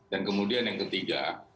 dan kemudian yang ketiga